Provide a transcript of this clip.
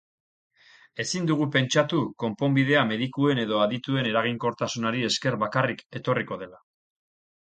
Ezin dugu pentsatu konponbidea medikuen edo adituen eraginkortasunari esker bakarrik etorriko dela.